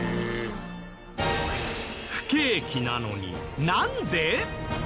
不景気なのになんで？